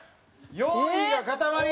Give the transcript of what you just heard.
４位がかたまり。